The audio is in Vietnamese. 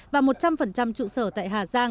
và một trăm linh trụ sở tại hà giang